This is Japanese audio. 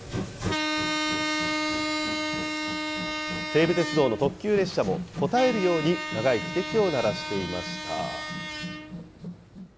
西武鉄道の特急列車も応えるように長い汽笛を鳴らしていました。